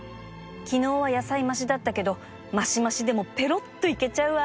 昨日は野菜マシだったけどマシマシでもぺろっといけちゃうわ！